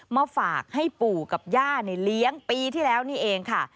มาฝากให้ปู่กับย่าในเลี้ยงปีที่แล้วนี่เองค่ะ